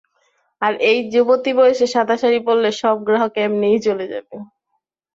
আর এই যুবতী বয়সে সাদা শাড়ি পড়লে, সব গ্রাহক এমনিই চলে যাবে।